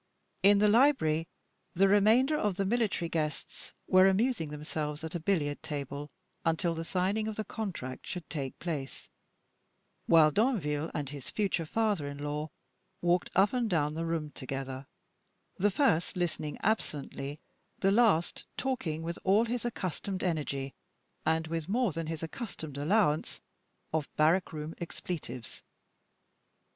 In the library, the remainder of the military guests were amusing themselves at a billiard table until the signing of the contract should take place, while Danville and his future father in law walked up and down the room together, the first listening absently, the last talking with all his accustomed energy, and with more than his accustomed allowance of barrack room expletives.